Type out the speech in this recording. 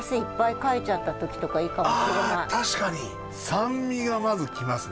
酸味がまず来ますね。